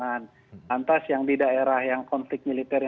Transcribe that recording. dan antas yang di daerah yang konflik militer